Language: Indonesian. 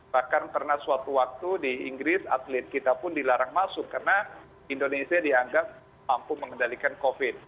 bahkan karena suatu waktu di inggris atlet kita pun dilarang masuk karena indonesia dianggap mampu mengendalikan covid